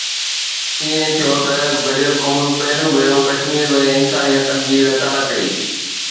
ائين ٿيو ته گڏيل قومن پهريون ڀيرو ڪشمير ۾ انساني حقن جي لتاڙ ڪئي